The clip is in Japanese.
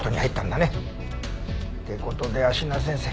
って事で芦名先生